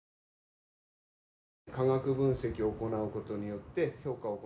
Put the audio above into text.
化学分析を行うことによって。